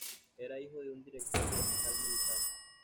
Era hijo de un director de hospital militar.